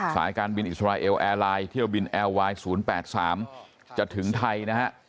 สายการบินอิสราเอลแอร์ไลน์เที่ยวบินแอร์ไวน์๐๘๓จะถึงไทยนะฮะ